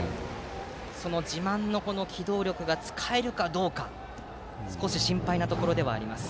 その自慢の機動力が使えるかどうか少し心配なところではあります。